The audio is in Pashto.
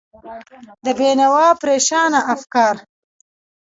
د بېنوا پرېشانه افکار